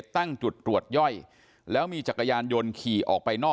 ตั้งจุดตรวจย่อยแล้วมีจักรยานยนต์ขี่ออกไปนอก